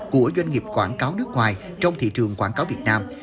của doanh nghiệp quảng cáo nước ngoài trong thị trường quảng cáo việt nam